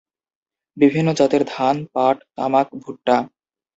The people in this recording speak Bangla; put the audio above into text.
বিভিন্ন জাতের ধান, পাট, তামাক, ভুট্টা।